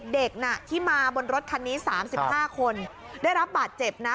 เด็กน่ะที่มาบนรถคันนี้๓๕คนได้รับบาดเจ็บนะ